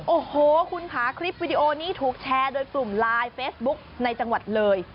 โอ้โหคุณค่ะคลิปวิดีโอนี้ถูกแชร์โดยกลุ่มไลน์เฟซบุ๊กในจังหวัดเลย